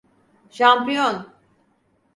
Şampiyon!